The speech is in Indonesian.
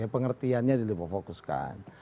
pengertiannya lebih fokus kan